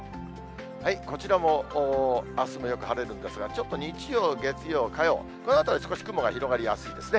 こちらもあすもよく晴れるんですが、ちょっと日曜、月曜、火曜、このあたり、少し雲が広がりやすいですね。